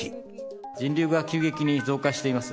人流が急激に増加しています。